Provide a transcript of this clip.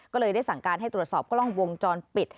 ก็เลยได้สั่งการให้ตรวจสอบกล้องวงจรปิด